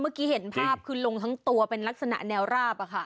เมื่อกี้เห็นภาพคือลงทั้งตัวเป็นลักษณะแนวราบ